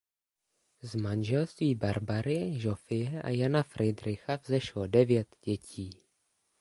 Z manželství Barbary Žofie a Jana Fridricha vzešlo devět dětí.